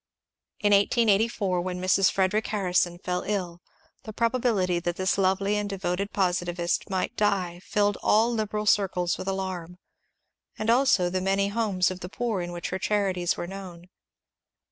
In 1884, when Mrs. Frederic Harrison fell iU, the probability that this lovely and devoted positivist might die filled all liberal circles with alarm, and also the many homes of the poor in which her charities were known.